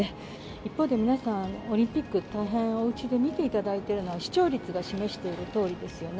一方で皆さん、オリンピック、大変おうちで見ていただいているのは、視聴率が示しているとおりですよね。